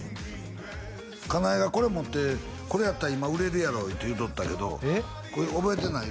金井がこれ持ってこれやったら今売れるやろういうて言うとったけどこれ覚えてない？